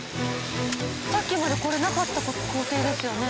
さっきまでこれなかった工程ですよね？